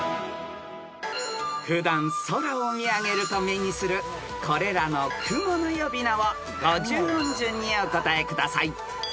［普段空を見上げると目にするこれらの雲の呼び名を５０音順にお答えください］